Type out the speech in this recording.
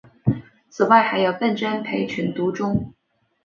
此外还有笨珍培群独中。